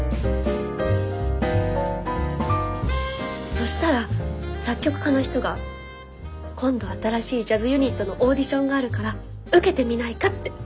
そしたら作曲家の人が今度新しいジャズユニットのオーディションがあるから受けてみないかって。